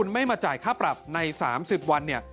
ไม่มาจ่ายค่าปรับใน๓๐วัน